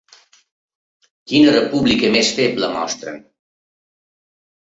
Quina república més feble mostren.